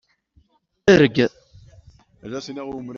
Erg!